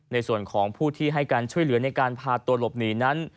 ในส่วนของผู้ที่ให้การช่วยเหลือในการพาตัวหลบหนีนั้น